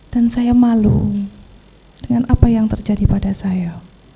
dan saya malu dengan apa yang terjadi pada saya